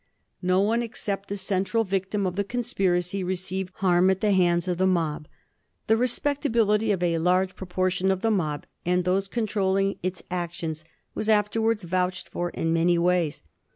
No one except the central victim of the conspiracy received harm at the hands of the mob. The *^ respectability " of a large proportion of the mob and of those controlling its ac tions was afterwards vouched for in many ways.